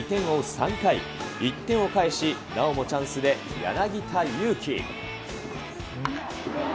３回、１点を返しなおもチャンスで、柳田悠岐。